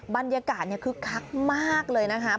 บรรยากาศคึกคักมากเลยนะคะ